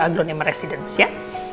aglo nema residen ya